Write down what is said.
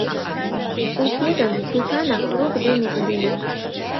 Уке гын тушанак рок дене урена!